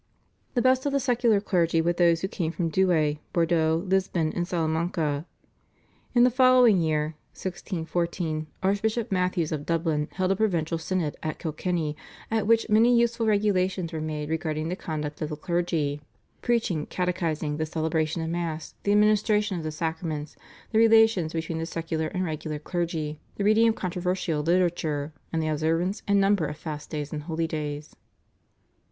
The best of the secular clergy were those who came from Douay, Bordeaux, Lisbon, and Salamanca. In the following year (1614) Archbishop Matthews of Dublin held a provincial synod at Kilkenny at which many useful regulations were made regarding the conduct of the clergy, preaching, catechising, the celebration of Mass, the administration of the sacraments, the relations between the secular and regular clergy, the reading of controversial literature, and the observance and number of fast days and holidays.